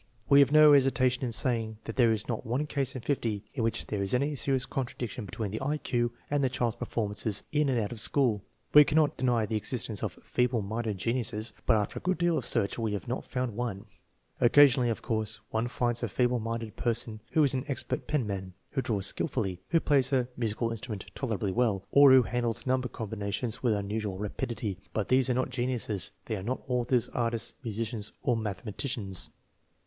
We have no hesitation in saying that there is not one case in fifty in which there is any serious contradiction between the I Q and the child's performances in and out of school. We cannot deny the existence of " feeble minded geniuses," but after a good deal of search we have not found one. Occasionally, of course, one finds a feeble minded per son who is an expert penman, who draws skillfully, who plays a musical instrument tolerably well, or who handles number combinations with unusual rapidity; but these are not geniuses; they are not authors, artists, musicians, or mathematicians.